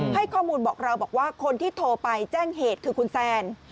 ให้ข้อมูลบอกเราบอกว่าคนที่โทรไปแจ้งเหตุคือคุณแซน